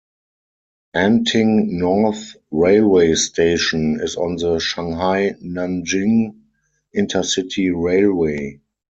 Anting North Railway Station is on the Shanghai-Nanjing Intercity Railway.